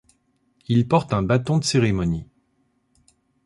Il porte un bâton de cérémonie.